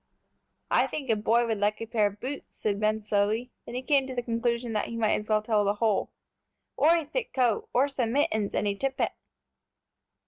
"I think a boy would like a pair of boots," said Ben, slowly; then he came to the conclusion that he might as well tell the whole, "or a thick coat, or some mittens, and a tippet."